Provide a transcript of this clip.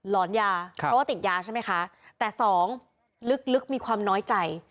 อนยาเพราะว่าติดยาใช่ไหมคะแต่สองลึกมีความน้อยใจ